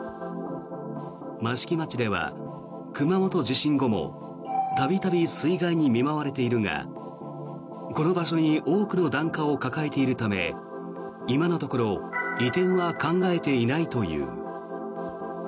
益城町では熊本地震後も度々、水害に見舞われているがこの場所に多くの檀家を抱えているため今のところ移転は考えていないという。